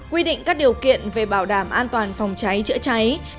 quy định các điều kiện về bảo đảm an toàn phòng cháy chữa cháy